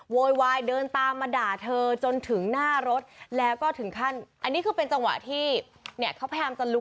โวยวายเดินตามมาด่าเธอจนถึงหน้ารถแล้วก็ถึงขั้นอันนี้คือเป็นจังหวะที่เนี่ยเขาพยายามจะลุก